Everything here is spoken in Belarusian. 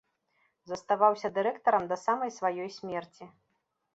Заставаўся дырэктарам да самай сваёй смерці.